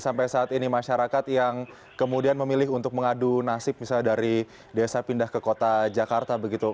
sampai saat ini masyarakat yang kemudian memilih untuk mengadu nasib misalnya dari desa pindah ke kota jakarta begitu